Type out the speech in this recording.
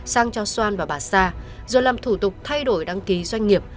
sang cho xoan và bà sa rồi làm thủ tục thay đổi đăng ký doanh nghiệp